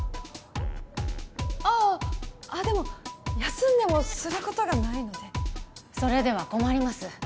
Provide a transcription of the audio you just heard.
あああっでも休んでもすることがないのでそれでは困ります